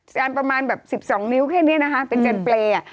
การประมาณแบบ๑๒นิ้วแค่นี้นะคะเป็นเจนเปรย์